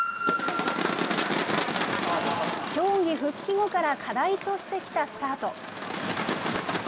競技復帰後から課題としてきたスタート。